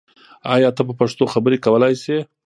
آیا ته په پښتو خبرې کولای شې؟